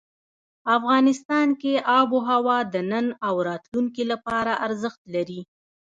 افغانستان کې آب وهوا د نن او راتلونکي لپاره ارزښت لري.